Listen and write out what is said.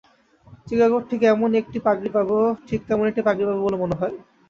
চিকাগোর ঠিক তেমনি একটা পাগড়ি পাব বলে মনে হয়।